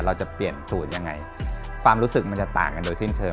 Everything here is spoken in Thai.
เราจะเปลี่ยนสูตรยังไงความรู้สึกมันจะต่างกันโดยสิ้นเชิง